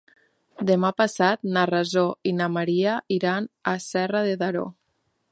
Demà passat na Rosó i na Maria iran a Serra de Daró.